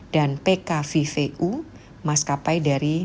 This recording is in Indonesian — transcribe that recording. dan pkvvu maskapai dari